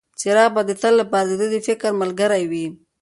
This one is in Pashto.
څراغ به د تل لپاره د ده د فکر ملګری وي.